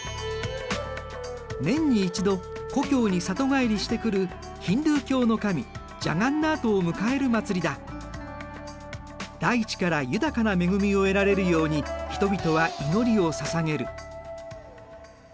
年に一度故郷に里帰りしてくるヒンドゥー教の神大地から豊かな恵みを得られるように人々は祈りをささげる。